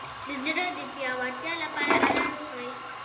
د زړه د پیاوړتیا لپاره انار وخورئ